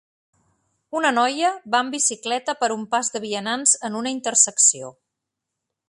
Una noia va amb bicicleta per un pas de vianants en una intersecció,